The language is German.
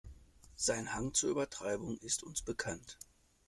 Sein Hang zur Übertreibung ist uns bekannt.